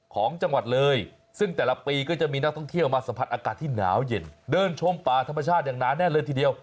ของจังหวัดเลยซึ่งแต่ละปีก็จะมีนักท่องเที่ยวมาสัมผัสอากาศที่หนาวเย็นเดินชมป่าธรรมชาติอย่างหนาแน่นเลยทีเดียว